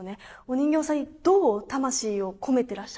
お人形さんにどう魂を込めてらっしゃるのか